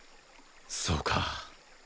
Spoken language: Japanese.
そうか。